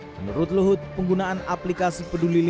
menurut luhut penggunaan aplikasi peduli lindungi